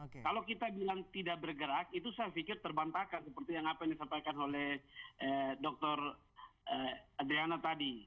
kalau kita bilang tidak bergerak itu saya pikir terbantahkan seperti yang apa yang disampaikan oleh dr adriana tadi